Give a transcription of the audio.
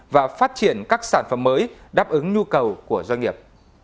và phát triển các sản phẩm mới đáp ứng nhu cầu của doanh nghiệp